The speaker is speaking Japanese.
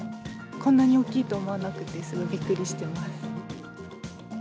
こんなに大きいと思わなくて、すごいびっくりしてます。